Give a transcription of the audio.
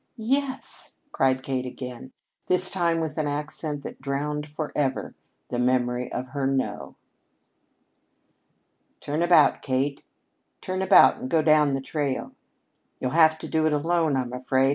"Yes," cried Kate again, this time with an accent that drowned forever the memory of her "no." "Turn about, Kate; turn about and go down the trail. You'll have to do it alone, I'm afraid.